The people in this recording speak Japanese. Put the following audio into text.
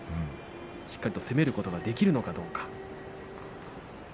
しっかり攻めることができるかどうか。